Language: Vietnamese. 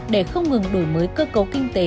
để không ngừng đổi mới cơ cấu kinh tế